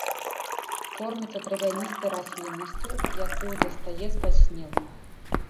Корміцца травяністай расліннасцю, якую дастае з-пад снегу.